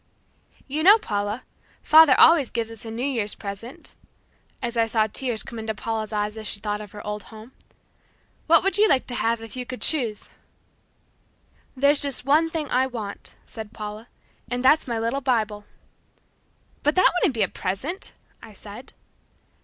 "You know, Paula, father always gives us a New Year's present," as I saw tears come into Paula's eyes as she thought of her old home. "What would you like to have if you could choose?" "There's just one thing I want," said Paula, "and that's my little Bible." "But that wouldn't be a present," I said.